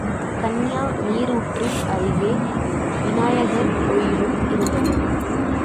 கன்யா நீரூற்று அருகே விநாயகர் கோயிலும் இருந்தது.